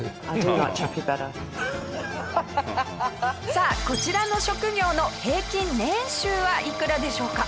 さあこちらの職業の平均年収はいくらでしょうか？